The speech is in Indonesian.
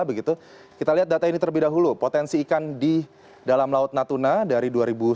begitu kita lihat data ini terlebih dahulu potensi ikan di dalam laut natuna dari dua ribu sebelas dua ribu enam belas dua ribu tujuh belas